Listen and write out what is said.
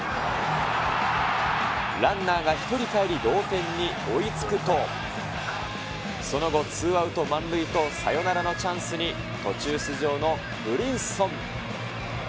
ランナーが１人かえり、同点に追いつくと、その後、ツーアウト満塁とサヨナラのチャンスに途中出場のブリンソン。